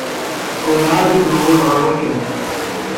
Ur ɛad i d-newwiḍ ɣer wakken.